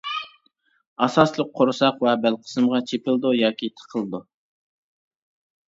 ئاساسلىق قورساق ۋە بەل قىسمىغا چېپىلىدۇ ياكى تىقىلىدۇ.